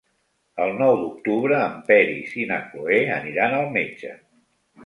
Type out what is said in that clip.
El nou d'octubre en Peris i na Cloè aniran al metge.